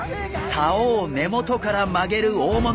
竿を根元から曲げる大物。